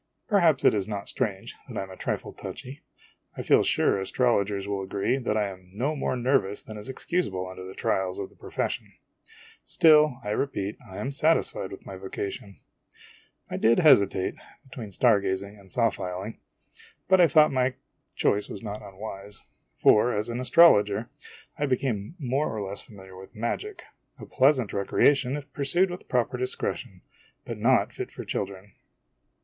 Perhaps it is not strange that I am a trifle touchy ; I feel sure astrologers will agree that I am no more nervous than is excusable under the trials of the profession. Still, I repeat, I am satisfied with my vocation. I did hesitate between star gazing and saw filing ; but I think my choice was not unwise ; for, as an astrologer, I became more or less familiar with magic, a pleasant recreation if pursued with proper discretion, but not fit for children.